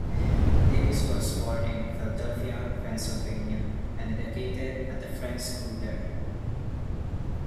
Davis was born in Philadelphia, Pennsylvania and educated at the "Friends School" there.